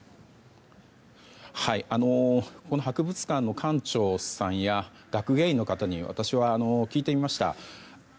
この博物館の館長さんや学芸員さんの方に私は聞いてみました。